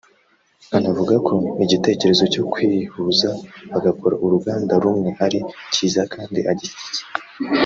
Anavuga ko igitekerezo cyo kwihuza bagakora uruganda rumwe ari cyiza kandi agishyigikiye